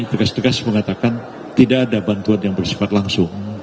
tegas tegas mengatakan tidak ada bantuan yang bersifat langsung